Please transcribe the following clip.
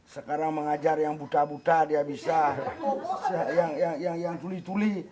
sekarang mengajar yang buta buta dia bisa yang tuli tuli